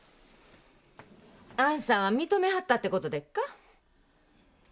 あんさんは認めはったって事でっか？